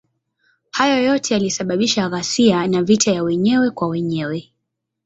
Hayo yote yalisababisha ghasia na vita ya wenyewe kwa wenyewe.